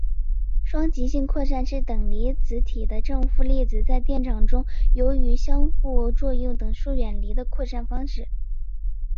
双极性扩散是等离子体的正负粒子在电场中由于相互作用等速远离的扩散方式。